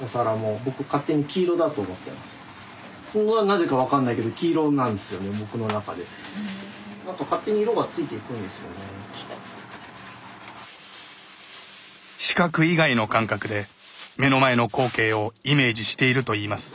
なぜか分かんないけど視覚以外の感覚で目の前の光景をイメージしているといいます。